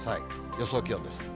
予想気温です。